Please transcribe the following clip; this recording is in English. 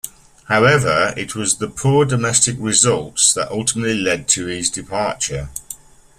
However it was the poor domestic results that ultimately led to his departure.